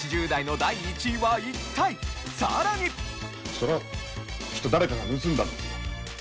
それはきっと誰かが盗んだんですよ。